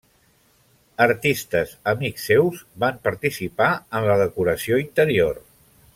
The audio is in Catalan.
Artistes, amics seus, van participar en la decoració interior.